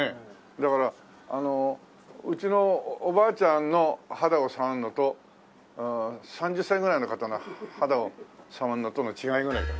だからあのうちのおばあちゃんの肌を触るのと３０歳ぐらいの方の肌を触るのとの違いぐらいかな。